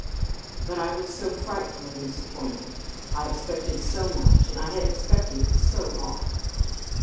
"But I was so frightfully disappointed. I expected so much and I had expected it so long."